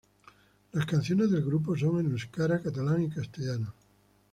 Las canciones del grupo son en euskera, catalán y castellano.